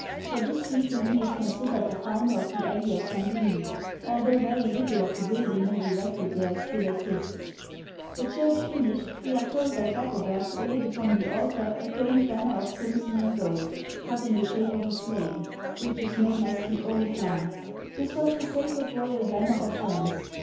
For this reason he is considered the founder of the abbey of St. Denis, al though very little of the building he erected there still exists, uigitizea oy vjiOOQlC The Present Church of St. Denis. 62 OLD FRANCE The church finished, we are told that Dagobert laid upon the altar a quaint banner of crimson and gold, cut in the shape of a flame, which is known as the " Or'iflamme." This was the sacred royal banner of France.